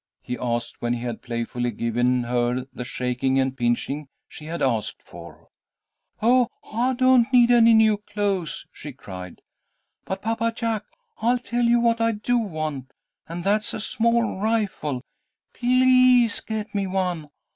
he asked, when he had playfully given her the shaking and pinching she had asked for. "Oh, I don't need any new clothes," she cried. "But, Papa Jack, I'll tell you what I do want, and that's a small rifle. Please get me one.